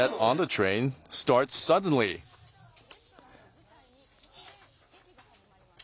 レストランを舞台に突然、劇が始まります。